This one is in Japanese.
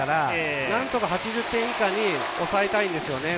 何とか８０点以下に抑えたいんですよね。